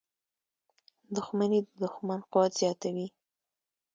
• دښمني د دوښمن قوت زیاتوي.